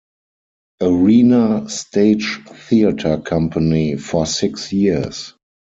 Arena Stage theatre company for six years.